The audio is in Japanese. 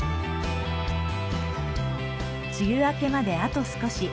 梅雨明けまであと少し。